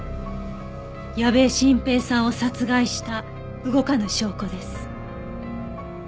矢部晋平さんを殺害した動かぬ証拠です。